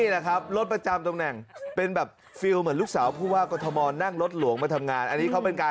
รถประจำลุกสาวผู้ว่ากฎมรณ์นั่งรถหลวงมาทำงาน